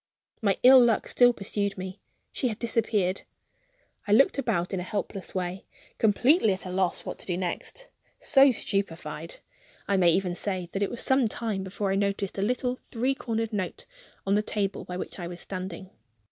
My ill luck still pursued me; she had disappeared. I looked about in a helpless way, completely at a loss what to do next so stupefied, I may even say, that it was some time before I noticed a little three cornered note on the table by which I was standing.